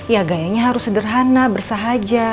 ya gayanya harus sederhana bersahaja